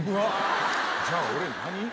じゃあ俺何？